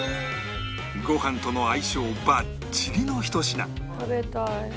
ご飯との相性バッチリのひと品